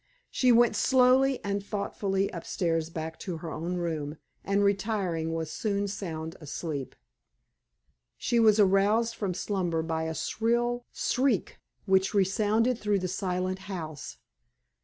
She went slowly and thoughtfully upstairs back to her own room, and, retiring, was soon sound asleep. She was aroused from slumber by a shrill shriek which resounded through the silent house.